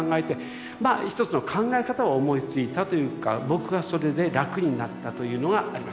まあ一つの考え方を思いついたというか僕がそれで楽になったというのがあります。